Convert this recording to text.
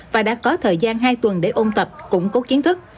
và đã có thời gian hai tuần để ôn tập củng cố kiến thức